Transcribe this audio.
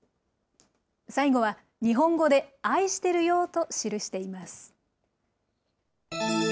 最後は、日本語で、あいしてるよーと記しています。